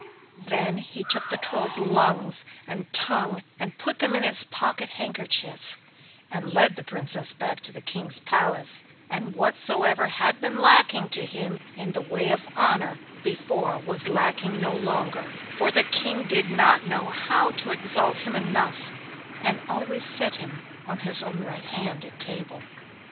Then he took the Troll's lungs and tongue and put them in his pocket handkerchief, and led the Princess back to the King's palace; and whatsoever had been lacking to him in the way of honour before was lacking no longer, for the King did not know how to exalt him enough, and always set him on his own right hand at table.